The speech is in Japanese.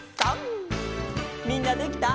みんなできた？